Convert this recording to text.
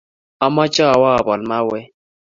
Amache awo ipaal mauwek